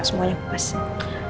semuanya aku pesan